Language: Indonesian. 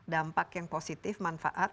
dampak yang positif manfaat